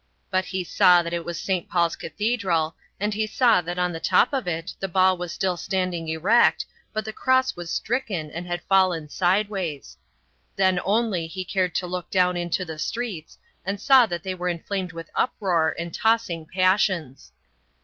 But he saw that it was St. Paul's Cathedral, and he saw that on the top of it the ball was still standing erect, but the cross was stricken and had fallen sideways. Then only he cared to look down into the streets, and saw that they were inflamed with uproar and tossing passions.